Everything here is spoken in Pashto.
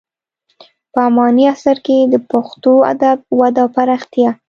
په اماني عصر کې د پښتو ادب وده او پراختیا: